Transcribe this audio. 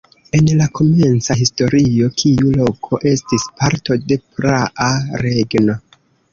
En la komenca historio tiu loko estis parto de praa regno.